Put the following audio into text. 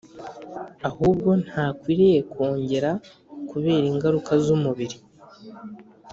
ahubwo ntakwiriye kwongera kubera ingaruka z'umubiri.